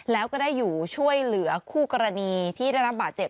แล้วก็ได้อยู่ช่วยเหลือคู่กรณีที่ได้รับบาดเจ็บ